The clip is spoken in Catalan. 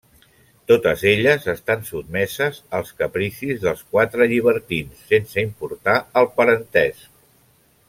Totes elles estan sotmeses als capricis dels quatre llibertins sense importar el parentesc.